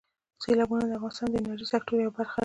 سیلابونه د افغانستان د انرژۍ سکتور یوه برخه ده.